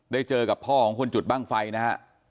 ได้เจอกับพ่อของคนจุดบ้างไฟนะครับ